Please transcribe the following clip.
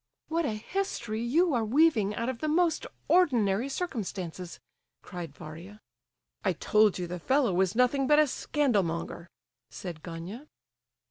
"What a history you are weaving out of the most ordinary circumstances!" cried Varia. "I told you the fellow was nothing but a scandal monger," said Gania.